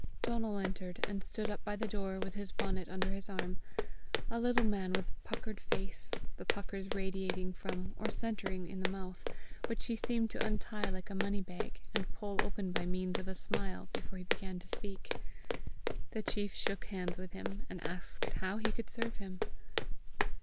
Donal entered and stood up by the door, with his bonnet under his arm a little man with puckered face, the puckers radiating from or centering in the mouth, which he seemed to untie like a money hag, and pull open by means of a smile, before he began to speak. The chief shook hands with him, and asked how he could serve him.